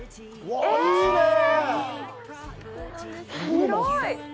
広い。